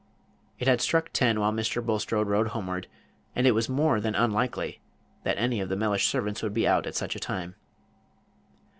It had struck ten while Mr. Bulstrode rode homeward, and it was more than unlikely that any of the Mellish servants would be out at such a time.